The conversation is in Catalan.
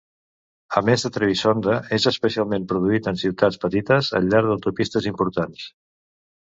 A més de Trebisonda, és especialment produït en ciutats petites al llarg d'autopistes importants.